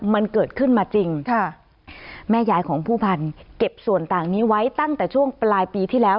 มันเกิดขึ้นมาจริงค่ะแม่ยายของผู้พันธุ์เก็บส่วนต่างนี้ไว้ตั้งแต่ช่วงปลายปีที่แล้ว